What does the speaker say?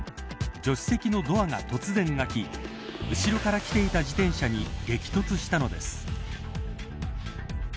助手席のドアが突然開き後ろから来ていた自転車に激突したのです。